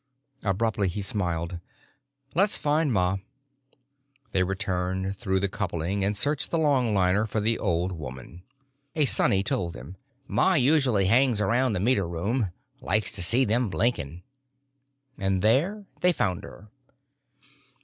Abruptly he smiled. "Let's find Ma." They returned through the coupling and searched the longliner for the old woman. A Sonny told them, "Ma usually hangs around the meter room. Likes to see them blinking." And there they found her.